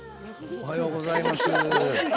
おはようございます！